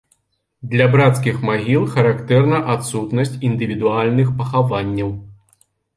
Для брацкіх магіл характэрна адсутнасць індывідуальных пахаванняў.